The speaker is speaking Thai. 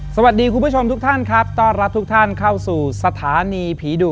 คุณผู้ชมทุกท่านครับต้อนรับทุกท่านเข้าสู่สถานีผีดุ